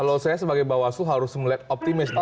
kalau saya sebagai bawah suhu harus melihat optimis